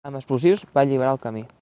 Amb explosius va alliberar el camí.